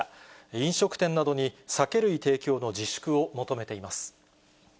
飲食店などに酒類提供の自粛を求めています。